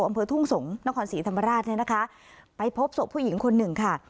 อำเภอทุ่งสงศ์นครศรีธรรมราชเนี่ยนะคะไปพบศพผู้หญิงคนหนึ่งค่ะ